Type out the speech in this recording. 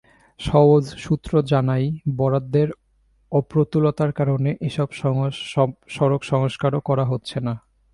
সওজ সূত্র জানায়, বরাদ্দের অপ্রতুলতার কারণে এসব সড়ক সংস্কারও করা হচ্ছে না।